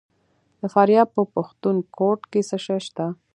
د فاریاب په پښتون کوټ کې څه شی شته؟